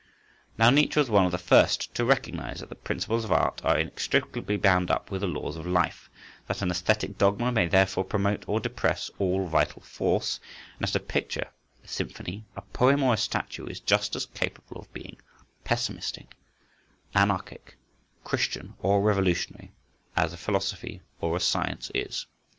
Now Nietzsche was one of the first to recognise that the principles of art are inextricably bound up with the laws of life, that an æsthetic dogma may therefore promote or depress all vital force, and that a picture, a symphony, a poem or a statue, is just as capable of being pessimistic, anarchic, Christian or revolutionary, as a philosophy or a science is.